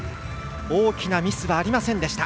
大きなミスはありませんでした。